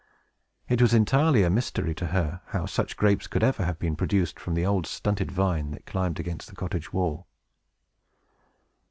It was entirely a mystery to her how such grapes could ever have been produced from the old stunted vine that climbed against the cottage wall.